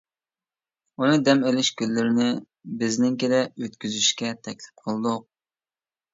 ئۇنى دەم ئېلىش كۈنلىرىنى بىزنىڭكىدە ئۆتكۈزۈشكە تەكلىپ قىلدۇق.